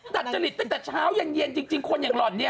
จริตตั้งแต่เช้าเย็นจริงคนอย่างหล่อนเนี่ย